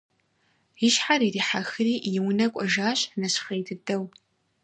И щхьэр ирихьэхри и унэ кӀуэжащ нэщхъей дыдэу.